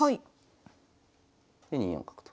で２四角と。